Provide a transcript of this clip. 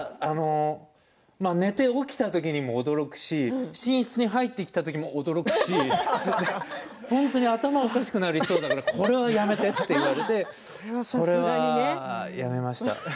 寝て起きたときに驚くし寝室に入ってきたときも驚くし本当に頭がおかしくなりそうだからこれはやめてと言われてそれでやめました。